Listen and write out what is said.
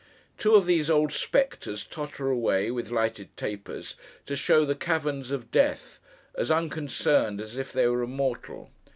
Two of these old spectres totter away, with lighted tapers, to show the caverns of death—as unconcerned as if they were immortal.